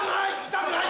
痛くない！